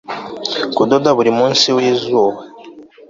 kudoda buri munsi wizuba